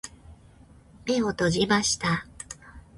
目を閉じました。